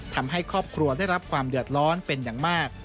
ทำให้ครอบครัวได้รับความเดือดร้อนเป็นอย่างมาก